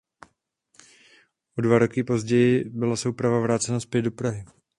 O dva roky později byla souprava vrácena zpět do Prahy.